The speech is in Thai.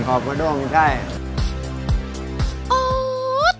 ครอบตุ้งใช่